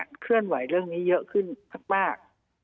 มันเคลื่อนไหวเรื่องนี้เยอะขึ้นมาก